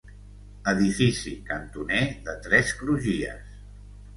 Edifici cantoner de tres crugies.